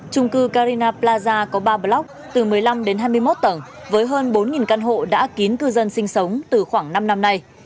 trung cư carina plaza có ba blog từ một mươi năm đến hai mươi một tầng với hơn bốn căn hộ đã kín cư dân sinh sống từ khoảng năm năm nay